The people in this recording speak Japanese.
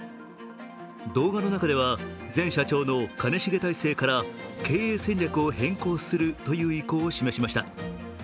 動画の中では前社長の兼重体制から経営戦略を変更するという意向を示しました。